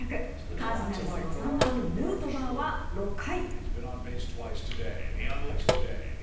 カージナルスの３番ヌートバーは６回。